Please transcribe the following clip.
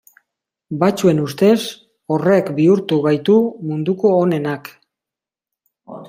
Batzuen ustez horrek bihurtu gaitu munduko onenak.